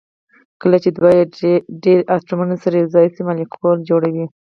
کله چې دوه یا ډیر اتومونه سره یو ځای شي مالیکول جوړوي